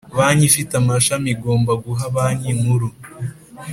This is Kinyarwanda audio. Banki ifite amashami igomba guha banki nkuru